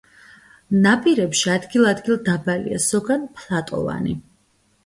ნაპირები ადგილ-ადგილ დაბალია, ზოგან ფლატოვანი.